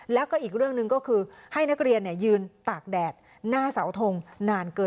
แล้วก็อีกเรื่องหนึ่งก็คือให้นักเรียนยืนตากแดดหน้าเสาทงนานเกิน